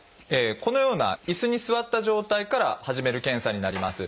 このような椅子に座った状態から始める検査になります。